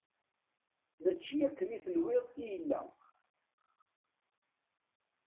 Mačči akken i tenwiḍ i yella.